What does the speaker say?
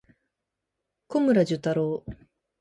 小村寿太郎